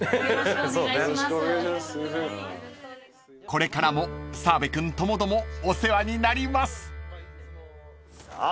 ［これからも澤部君ともどもお世話になります］さあ！